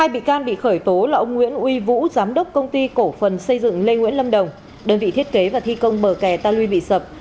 hai bị can bị khởi tố là ông nguyễn uy vũ giám đốc công ty cổ phần xây dựng lê nguyễn lâm đồng đơn vị thiết kế và thi công bờ kè ta lui bị sập